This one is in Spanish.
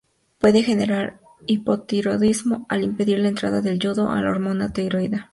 Puede generar hipotiroidismo al impedir la entrada del yodo a la hormona tiroidea.